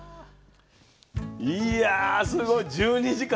いやすごい１２時間大作ね。